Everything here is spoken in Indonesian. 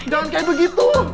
jangan kayak begitu